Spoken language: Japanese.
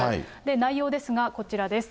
内容ですが、こちらです。